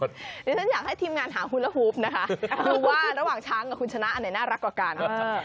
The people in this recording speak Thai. เดี๋ยวฉันอยากให้ทีมงานหาคุณฮูปนะคะดูว่าระหว่างช้างกับคุณชนะอันไหนน่ารักกว่ากัน